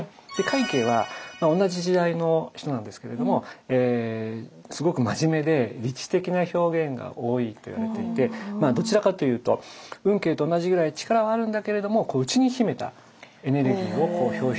快慶は同じ時代の人なんですけれどもすごく真面目で理知的な表現が多いって言われていてどちらかというと運慶と同じぐらい力はあるんだけれどもっていわれているんです。